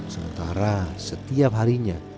sementara setiap harinya